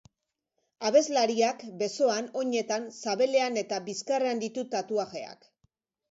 Abeslariak besoan, oinetan, sabelean, eta bizkarrean ditu tatuajeak.